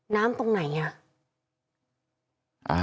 น้ำตรงไหนเนี่ย